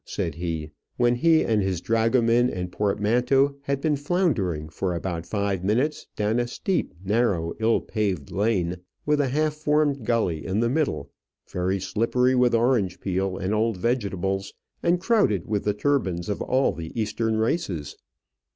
said he, when he and his dragoman and portmanteau had been floundering for about five minutes down a steep, narrow, ill paved lane, with a half formed gully in the middle, very slippery with orange peel and old vegetables, and crowded with the turbans of all the Eastern races.